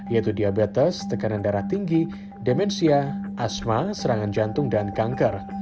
yaitu diabetes tekanan darah tinggi demensia asma serangan jantung dan kanker